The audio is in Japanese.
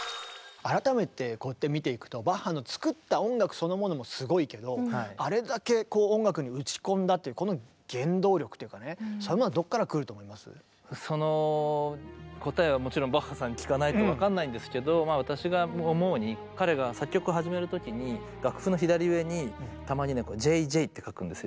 改めてこうやって見ていくとバッハの作った音楽そのものもすごいけどその答えはもちろんバッハさんに聞かないと分かんないんですけど私が思うに彼が作曲を始める時に楽譜の左上にたまにね「Ｊ．Ｊ．」って書くんですよ。